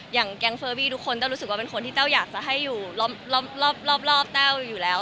อย่างแก๊งเฟอร์บี้ทุกคนแต้วรู้สึกว่าเป็นคนที่แต้วอยากจะให้อยู่รอบแต้วอยู่แล้ว